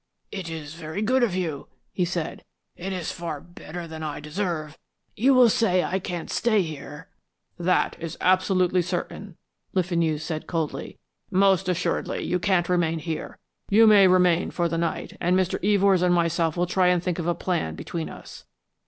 "It is very good of you," he said. "It is far better than I deserve. You will say I can't stay here " "That is absolutely certain," Le Fenu said, coldly. "Most assuredly you can't remain here. You may remain for the night, and Mr. Evors and myself will try and think of a plan between us."